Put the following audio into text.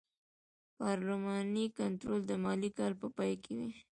پارلماني کنټرول د مالي کال په پای کې وي.